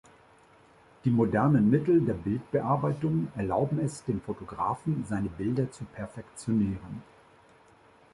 Die modernen Mittel der Bildbearbeitung erlauben es dem Fotografen, seine Bilder zu perfektionieren.